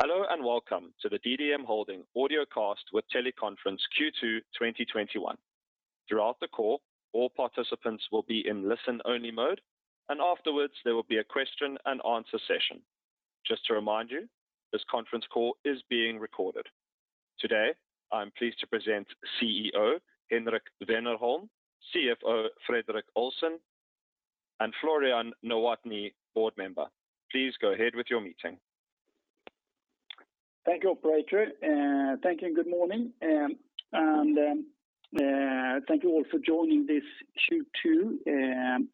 Hello, and welcome to the DDM Holding audiocast with teleconference Q2 2021. Throughout the call, all participants will be in listen-only mode. Afterwards, there will be a question and answer session. Just to remind you, this conference call is being recorded. Today, I'm pleased to present CEO Henrik Wennerholm, CFO Fredrik Olsson, and Florian Nowotny, board member. Please go ahead with your meeting. Thank you, operator. Thank you, good morning. Thank you all for joining this Q2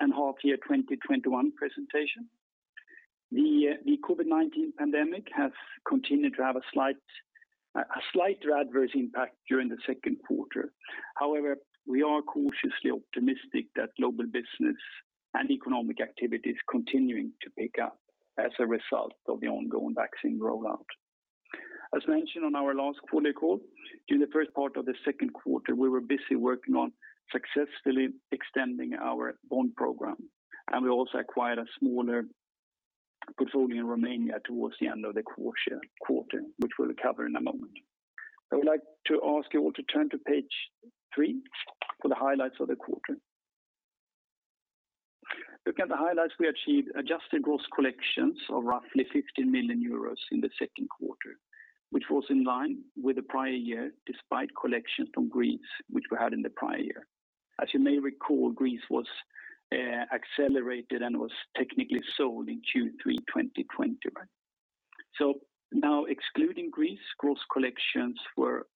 and half-year 2021 presentation. The COVID-19 pandemic has continued to have a slighter adverse impact during the second quarter. However, we are cautiously optimistic that global business and economic activity is continuing to pick up as a result of the ongoing vaccine rollout. As mentioned on our last quarterly call, during the first part of the second quarter, we were busy working on successfully extending our bond program, and we also acquired a smaller portfolio in Romania towards the end of the quarter, which we'll cover in a moment. I would like to ask you all to turn to page three for the highlights of the quarter. Looking at the highlights, we achieved adjusted gross collections of 50 million euros in the second quarter, which was in line with the prior year despite collections from Greece, which we had in the prior year. As you may recall, Greece was accelerated and was technically sold in Q3 2021. Now excluding Greece, gross collections were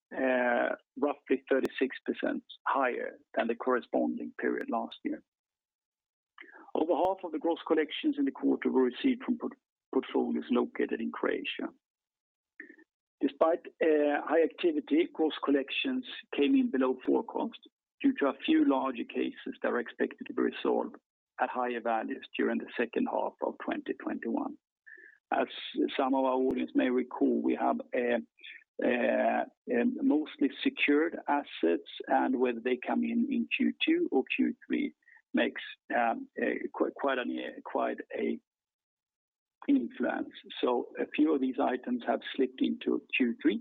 roughly 36% higher than the corresponding period last year. Over half of the gross collections in the quarter were received from portfolios located in Croatia. Despite high activity, gross collections came in below forecast due to a few larger cases that are expected to be resolved at higher values during the second half of 2021. As some of our audience may recall, we have mostly secured assets, and whether they come in in Q2 or Q3 makes quite an influence. A few of these items have slipped into Q3,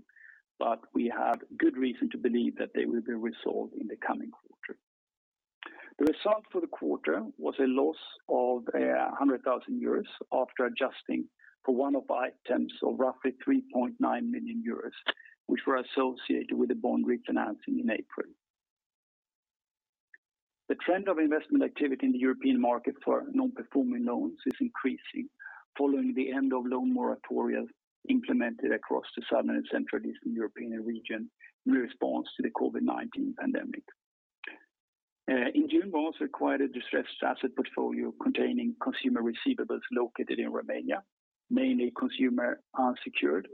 but we have good reason to believe that they will be resolved in the coming quarter. The result for the quarter was a loss of 100,000 euros after adjusting for one-off items of roughly 3.9 million euros, which were associated with the bond refinancing in April. The trend of investment activity in the European market for non-performing loans is increasing following the end of loan moratoria implemented across the Southern and Central Eastern European region in response to the COVID-19 pandemic. In June, we also acquired a distressed asset portfolio containing consumer receivables located in Romania, mainly consumer unsecured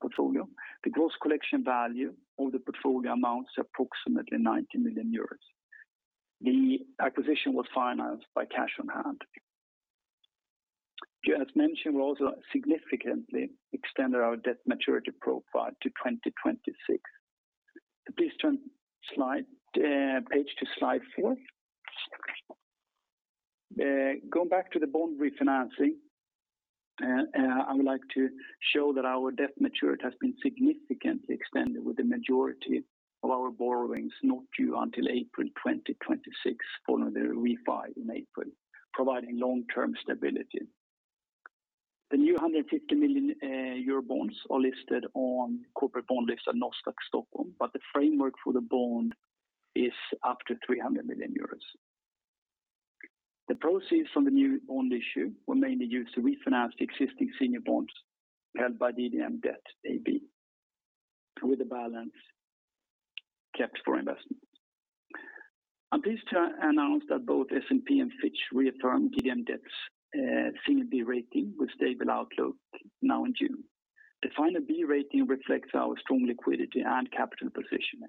portfolio. The gross collection value of the portfolio amounts approximately 90 million euros. The acquisition was financed by cash on hand. As mentioned, we also significantly extended our debt maturity profile to 2026. Please turn page to slide four. Going back to the bond refinancing, I would like to show that our debt maturity has been significantly extended with the majority of our borrowings not due until April 2026 following the refi in April, providing long-term stability. The new 150 million euro bonds are listed on corporate bond list at Nasdaq Stockholm. The framework for the bond is up to 300 million euros. The proceeds from the new bond issue were mainly used to refinance the existing senior bonds held by DDM Debt AB with the balance kept for investment. I'm pleased to announce that both S&P and Fitch reaffirmed DDM Debt's single B rating with stable outlook now in June. The final B rating reflects our strong liquidity and capital position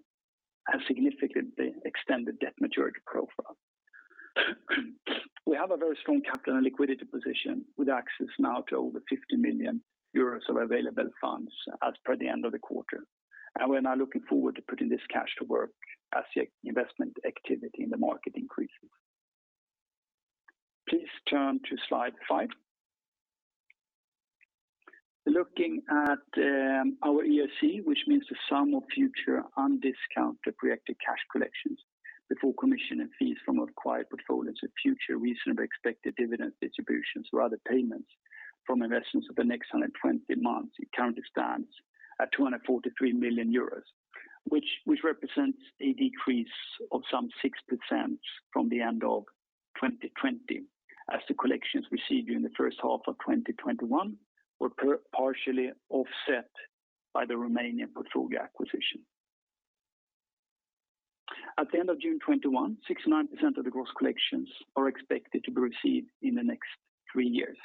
and significantly extended debt maturity profile. We have a very strong capital and liquidity position with access now to over 50 million euros of available funds as per the end of the quarter. We're now looking forward to putting this cash to work as the investment activity in the market increases. Please turn to slide 5. Looking at our ERC, which means the sum of future undiscounted projected cash collections before commission and fees from acquired portfolios of future reasonably expected dividend distributions or other payments from investments over the next 120 months. It currently stands at 243 million euros, which represents a decrease of some 6% from the end of 2020 as the collections received during the first half of 2021 were partially offset by the Romanian portfolio acquisition. At the end of June 2021, 69% of the gross collections are expected to be received in the next 3 years.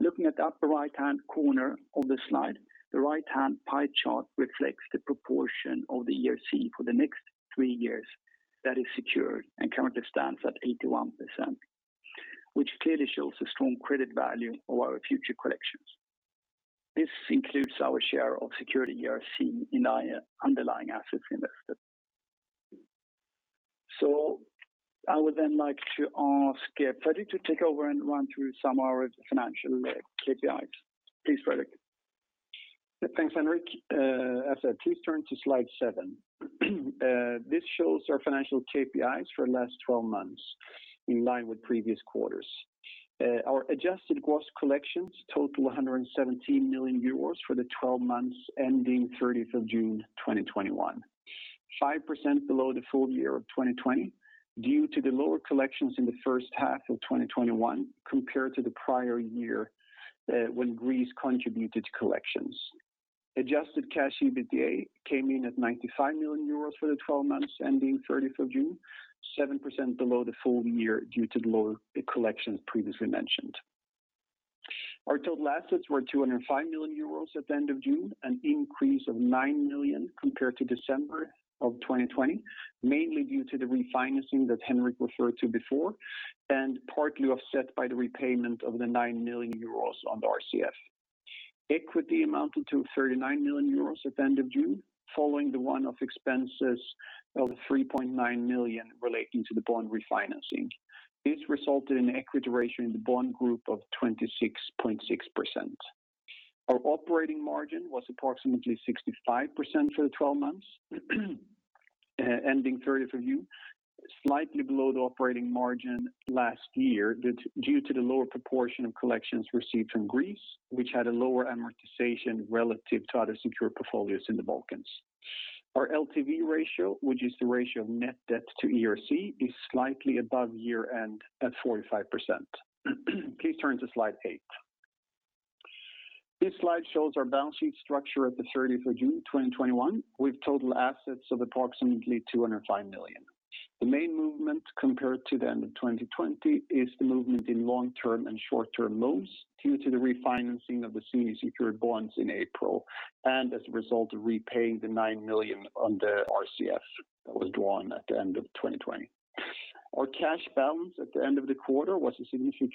Looking at the upper right-hand corner of the slide, the right-hand pie chart reflects the proportion of the ERC for the next three years that is secured and currently stands at 81%, which clearly shows the strong credit value of our future collections. This includes our share of secured ERC in our underlying assets invested. I would then like to ask Fredrik to take over and run through some of our financial KPIs. Please, Fredrik. Thanks, Henrik. Please turn to slide seven. This shows our financial KPIs for the last 12 months in line with previous quarters. Our adjusted gross collections total 117 million euros for the 12 months ending 30th of June 2021. 5% below the full year of 2020, due to the lower collections in the first half of 2021 compared to the prior year, when Greece contributed to collections. Adjusted cash EBITDA came in at 95 million euros for the 12 months ending 30th of June, 7% below the full year due to the lower collections previously mentioned. Our total assets were 205 million euros at the end of June, an increase of 9 million compared to December of 2020, mainly due to the refinancing that Henrik referred to before, and partly offset by the repayment of 9 million euros on the RCF. Equity amounted to 39 million euros at the end of June, following the one-off expenses of 3.9 million relating to the bond refinancing. This resulted in equity ratio in the bond group of 26.6%. Our operating margin was approximately 65% for the 12 months ending 30th of June, slightly below the operating margin last year due to the lower proportion of collections received from Greece, which had a lower amortization relative to other secure portfolios in the Balkans. Our LTV ratio, which is the ratio of net debt to ERC, is slightly above year-end at 45%. Please turn to slide 8. This slide shows our balance sheet structure at the 30th of June 2021, with total assets of approximately 205 million. The main movement compared to the end of 2020 is the movement in long-term and short-term loans due to the refinancing of the senior secured bonds in April, and as a result of repaying the 9 million on the RCF that was drawn at the end of 2020. Our cash balance at the end of the quarter was a significant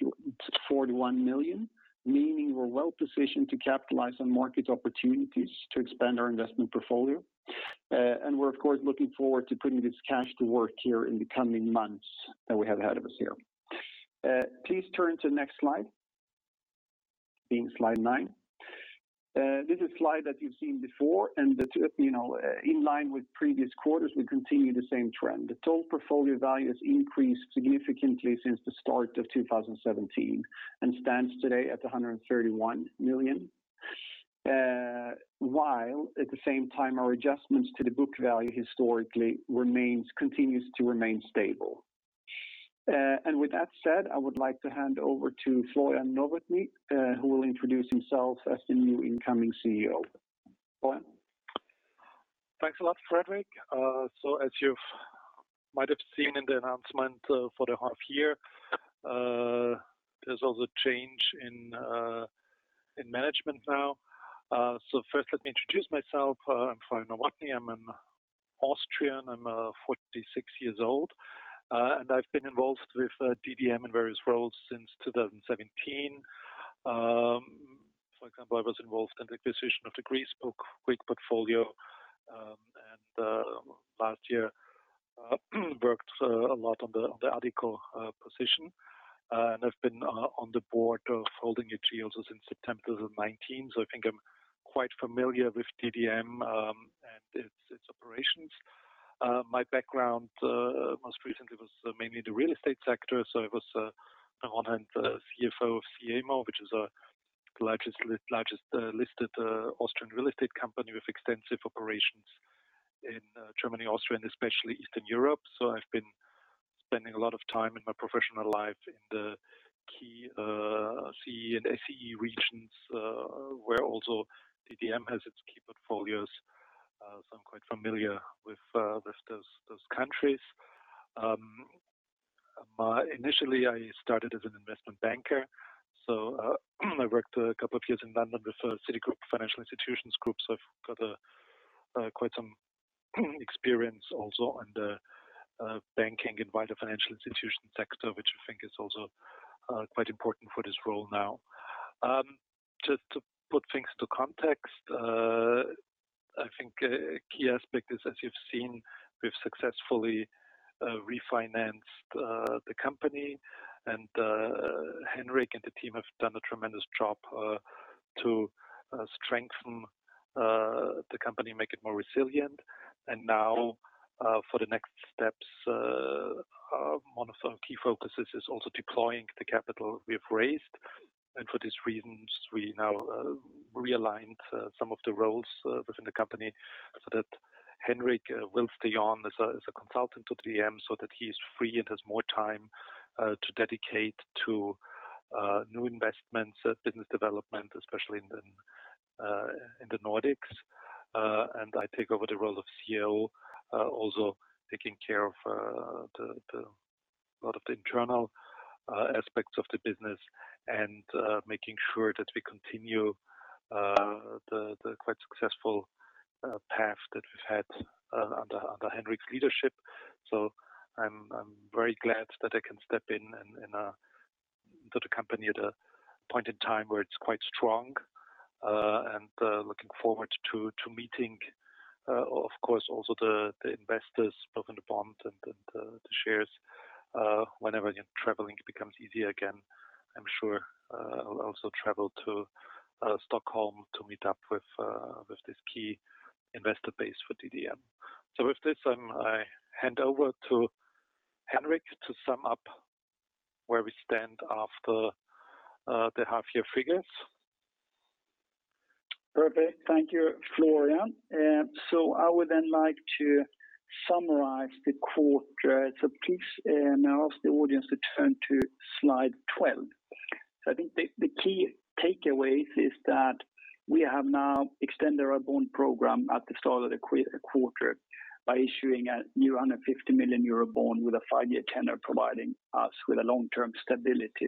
41 million, meaning we're well-positioned to capitalize on market opportunities to expand our investment portfolio. We're of course, looking forward to putting this cash to work here in the coming months that we have ahead of us here. Please turn to the next slide, being slide nine. This is a slide that you've seen before, and in line with previous quarters, we continue the same trend. The total portfolio value has increased significantly since the start of 2017 and stands today at 131 million. At the same time, our adjustments to the book value historically continues to remain stable. With that said, I would like to hand over to Florian Nowotny, who will introduce himself as the new incoming CEO. Florian. Thanks a lot, Fredrik. As you might have seen in the announcement for the half year, there's also change in management now. First let me introduce myself. I'm Florian Nowotny. I'm an Austrian. I'm 46 years old. I've been involved with DDM in various roles since 2017. For example, I was involved in the acquisition of the Greece book, Greek portfolio, and last year, worked a lot on the Addiko position. I've been on the board of Holding AG also since September 2019. I think I'm quite familiar with DDM and its operations. My background, most recently, was mainly the real estate sector. I was on one hand the CFO of IMMOFINANZ, which is the largest listed Austrian real estate company with extensive operations in Germany, Austria, and especially Eastern Europe. I've been spending a lot of time in my professional life in the key CEE and SEE regions, where also DDM has its key portfolios. I'm quite familiar with those countries. Initially, I started as an investment banker, so I worked a couple of years in London with Citigroup Financial Institutions Group. I've got quite some experience also in the banking and wider financial institution sector, which I think is also quite important for this role now. Just to put things into context, I think a key aspect is, as you've seen, we've successfully refinanced the company, and Henrik and the team have done a tremendous job to strengthen the company, make it more resilient. Now, for the next steps, one of our key focuses is also deploying the capital we've raised. For these reasons, we now realigned some of the roles within the company so that Henrik will stay on as a consultant to DDM so that he is free and has more time to dedicate to new investments, business development, especially in the Nordics. I take over the role of CEO, also taking care of a lot of the internal aspects of the business and making sure that we continue the quite successful path that we've had under Henrik's leadership. I'm very glad that I can step in in a company at a point in time where it's quite strong. Looking forward to meeting, of course, also the investors, both in the bond and the shares. Whenever traveling becomes easier again, I'm sure I'll also travel to Stockholm to meet up with this key investor base for DDM. With this, I hand over to Henrik to sum up where we stand after the half-year figures. Perfect. Thank you, Florian. I would then like to summarize the quarter. Please may I ask the audience to turn to slide 12. I think the key takeaway is that we have now extended our bond program at the start of the quarter by issuing a new 150 million euro bond with a five-year tenure, providing us with a long-term stability.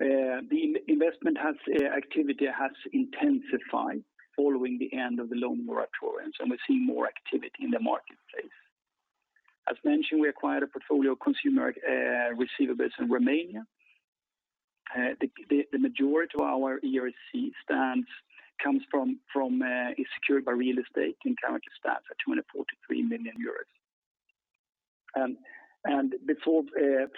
The investment activity has intensified following the end of the loan moratoriums, and we're seeing more activity in the marketplace. As mentioned, we acquired a portfolio of consumer receivables in Romania. The majority of our ERC stance is secured by real estate and current stats at 243 million euros. Before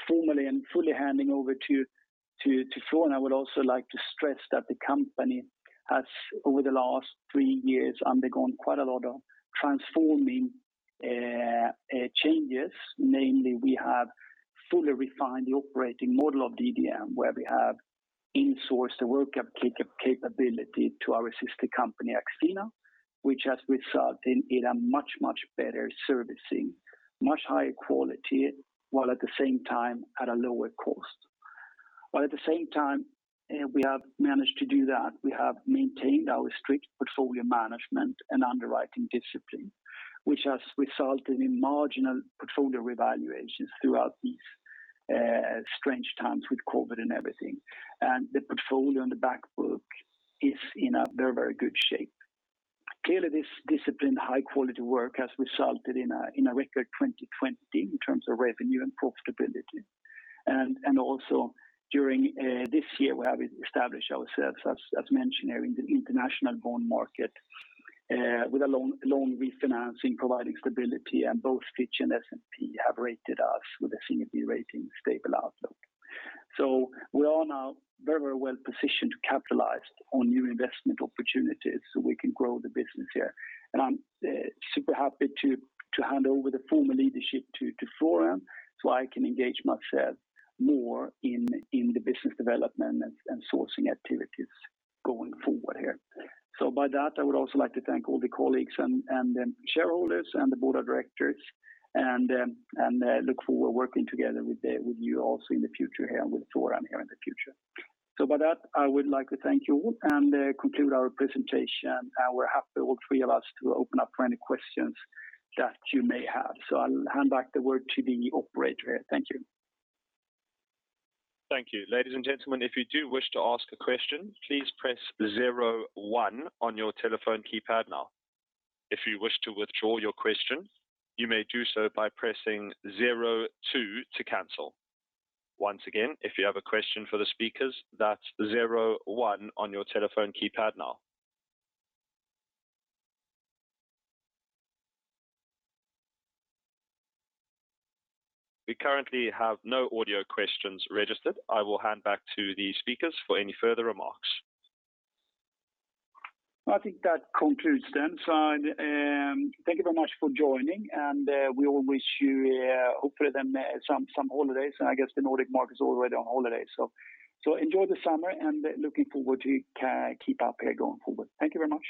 formally and fully handing over to Florian, I would also like to stress that the company has, over the last three years, undergone quite a lot of transforming changes. Namely, we have fully refined the operating model of DDM, where we have insourced the work capability to our sister company, AxFina, which has resulted in a much, much better servicing, much higher quality, while at the same time at a lower cost. While at the same time we have managed to do that, we have maintained our strict portfolio management and underwriting discipline. Which has resulted in marginal portfolio revaluations throughout these strange times with COVID-19 and everything. The portfolio and the back book is in a very, very good shape. Clearly, this disciplined high-quality work has resulted in a record 2020 in terms of revenue and profitability. Also during this year, we have established ourselves, as mentioned, in the international bond market, with a loan refinancing providing stability, both Fitch Ratings and S&P Global Ratings have rated us with a single B rating, stable outlook. We are now very well positioned to capitalize on new investment opportunities so we can grow the business here. I'm super happy to hand over the formal leadership to Florian so I can engage myself more in the business development and sourcing activities going forward here. With that, I would also like to thank all the colleagues and shareholders and the board of directors, and look forward working together with you also in the future here, and with Florian here in the future. With that, I would like to thank you and conclude our presentation. We're happy, all three of us, to open up for any questions that you may have. I'll hand back the word to the operator. Thank you. Thank you. Ladies and gentlemen, if you do wish to ask a question, please press zero one on your telephone keypad now. If you wish to withdraw your question, you may do so by pressing zero two to cancel. Once again, if you have a question for the speakers, that's zero one on your telephone keypad now. We currently have no audio questions registered. I will hand back to the speakers for any further remarks. I think that concludes then. Thank you very much for joining, and we all wish you hopefully then some holidays. I guess the Nordic market's already on holiday. Enjoy the summer and looking forward to keep up here going forward. Thank you very much.